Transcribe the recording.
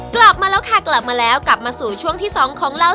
กลับมาแล้วค่ะกลับมาแล้วกลับมาสู่ช่วงที่สองของเรา